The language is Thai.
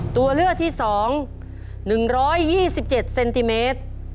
ตัวเลือกที่๒๑๒๗เซนติเมตร